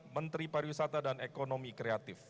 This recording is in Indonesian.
menteri pariwisata dan ekonomi kreatif